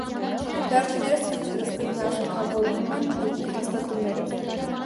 Վերջիններս սկզբնարժեքավորվում են հայտնի հաստատուններով։